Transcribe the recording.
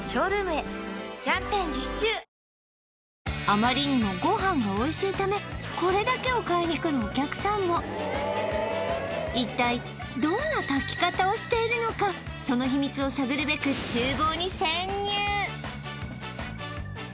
あまりにもご飯がおいしいためこれだけを買いに来るお客さんも一体どんな炊き方をしているのかその秘密を探るべくえっ？